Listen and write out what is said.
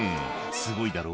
「すごいだろ？